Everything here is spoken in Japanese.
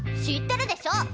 知ってるでしょ！